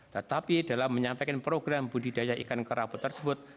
tetapi dalam menyampaikan program budidaya ikan kerapu tersebut